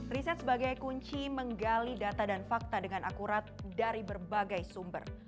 riset sebagai kunci menggali data dan fakta dengan akurat dari berbagai sumber